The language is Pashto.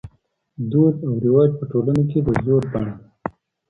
دود او رواج په ټولنه کې د زور بڼه ده.